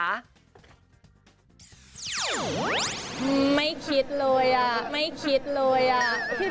ไม่คิดเลยไม่คิดเลย